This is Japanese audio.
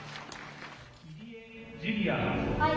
はい。